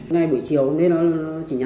ngay buổi chiều anh ấy chỉ nhắn